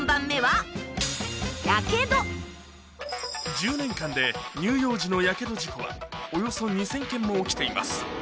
１０年間で乳幼児のやけど事故はおよそ２０００件も起きています